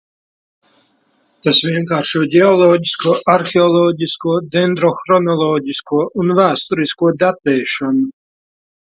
Tas vienkāršo ģeoloģisko, arheoloģisko, dendrohronoloģisko un vēsturisko datēšanu.